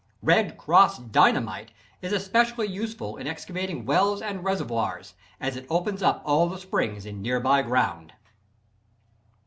"Red Cross" Dynamite is especially useful in excavating wells and reservoirs, as it opens up all the springs in nearby ground.